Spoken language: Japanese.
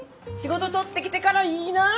仕事取ってきてから言いな。